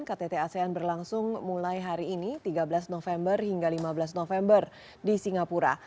ktt asean berlangsung mulai hari ini tiga belas november hingga lima belas november di singapura